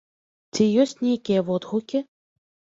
Ці ёсць нейкія водгукі?